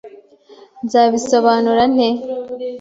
Nzabisobanura nte?